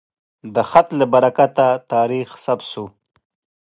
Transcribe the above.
د خط له برکته تاریخ ثبت شو.